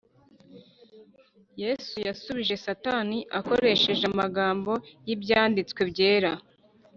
Yesu yasubije Satani akoresheje amagambo y’Ibyanditswe byera.